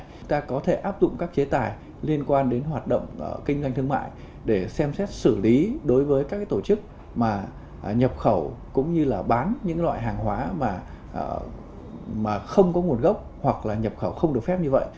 chúng ta có thể áp dụng các chế tài liên quan đến hoạt động kinh doanh thương mại để xem xét xử lý đối với các tổ chức mà nhập khẩu cũng như là bán những loại hàng hóa mà không có nguồn gốc hoặc là nhập khẩu không được phép như vậy